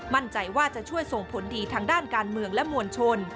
มั่นใจว่าจะช่วยส่งผลดีทางด้านการเมืองและมวลชน